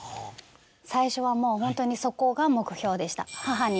最初はもうホントにそこが目標でした。